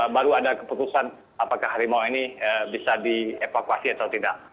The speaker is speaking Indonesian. baru ada keputusan apakah harimau ini bisa dievakuasi atau tidak